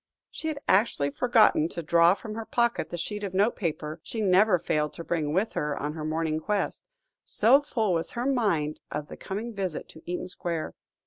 She had actually forgotten to draw from her pocket the sheet of notepaper she never failed to bring with her on her morning quest, so full was her mind of the coming visit to Eaton Square.